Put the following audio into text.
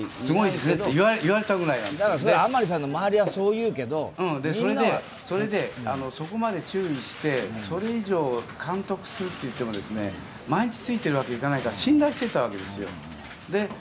それは甘利さんの周りはそう言うけどそれで、そこまで注意して、それ以上監督するって言っても毎日ついているわけにいかないから信頼していたわけですよ。